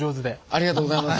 ありがとうございます。